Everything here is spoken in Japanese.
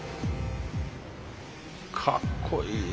かっこいい。